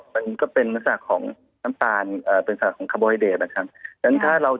มันก็เป็นสถานการณ์ของน้ำตาล